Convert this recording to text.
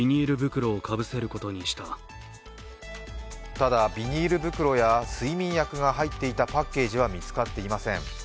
ただ、ビニール袋や睡眠薬が入っていたパッケージは見つかっていません。